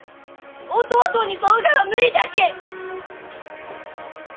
弟に添うがは無理じゃき！